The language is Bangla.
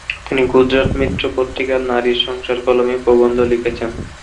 তিনি "গুজরাট মিত্র" পত্রিকায় "নারীর সংসার" কলামে প্রবন্ধ লিখেছেন।